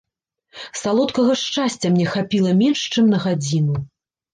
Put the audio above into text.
Салодкага шчасця мне хапіла менш чым на гадзіну.